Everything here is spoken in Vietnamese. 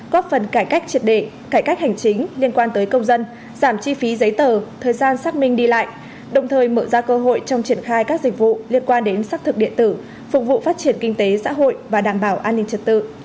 góp phần cải cách triệt đề cải cách hành chính liên quan tới công dân giảm chi phí giấy tờ thời gian xác minh đi lại đồng thời mở ra cơ hội trong triển khai các dịch vụ liên quan đến xác thực điện tử phục vụ phát triển kinh tế xã hội và đảm bảo an ninh trật tự